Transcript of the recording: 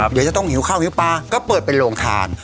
เดี๋ยวจะต้องหิวข้าวหิวปลาก็เปิดเป็นโรงทาน